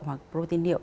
hoặc protein niệu